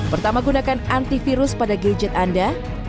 pertama gunakan antivirus pada gadget anda